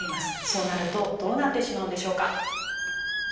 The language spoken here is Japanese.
そうなるとどうなってしまうんでしょうか？